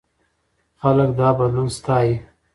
خلک دا بدلون ستایي.